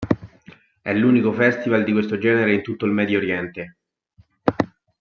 È l'unico festival di questo genere in tutto il Medio Oriente.